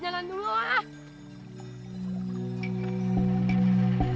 jalan dulu ah